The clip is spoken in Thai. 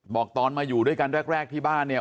บอกตอนมาอยู่ด้วยกันแรกที่บ้านเนี่ย